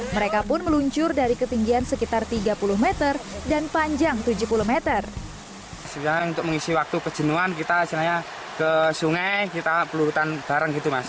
mereka pun meluncur dari ketinggian sekitar tiga puluh meter dan panjang tujuh puluh meter